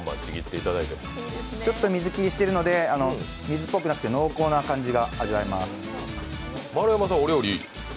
ちょっと水切りしてるので、水っぽくなくて濃厚な感じが味わえます。